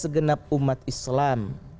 segenap umat islam